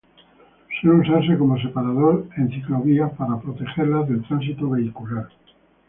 Suele usarse como separador en ciclovías para protegerlas del tránsito vehicular.